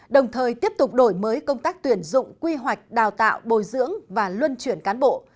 đồng thời tiếp tục đổi mới công tác tuyển dụng quy hoạch đào tạo bồi dưỡng và luân chuyển cán bộ